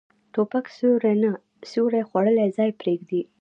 توپک سیوری نه، سیوری خوړلی ځای پرېږدي.